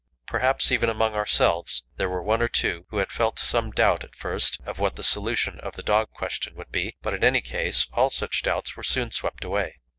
Perhaps, even among ourselves, there were one or two who had felt some doubt at first of what the solution of the dog question would be, but in any case all such doubts were soon swept away.